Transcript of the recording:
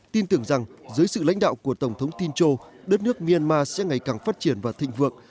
tin tưởng rằng dưới sự lãnh đạo của tổng thống tinch châu đất nước myanmar sẽ ngày càng phát triển và thịnh vượng